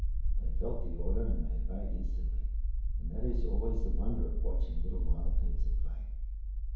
They felt the order and they obeyed instantly and that is always the wonder of watching little wild things at play.